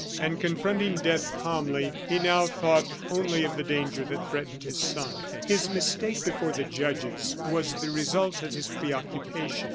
And confronting death calmly, he now thought only of the danger that threatened his son. His mistake before the judges was the result of his preoccupation.